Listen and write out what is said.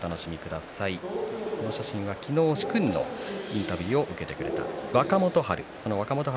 この写真は殊勲のインタビューを受けてくれた若元春。